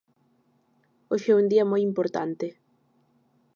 Hoxe é un día moi importante.